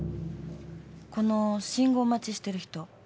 この信号待ちしている人。